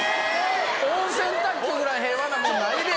温泉卓球ぐらい平和なものないで。